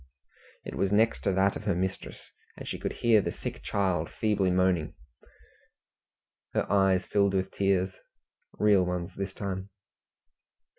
It was next to that of her mistress, and she could hear the sick child feebly moaning. Her eyes filled with tears real ones this time.